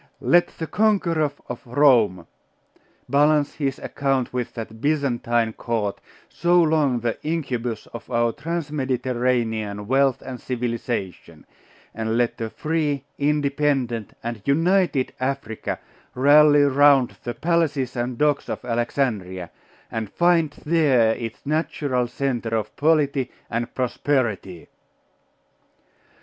Let the conqueror of Rome balance his account with that Byzantine court, so long the incubus of our Trans Mediterranean wealth and civilisation; and let a free, independent, and united Africa rally round the palaces and docks of Alexandria, and find there its natural centre of polity and of prosperity.